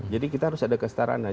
jadi kita harus ada kestaraannya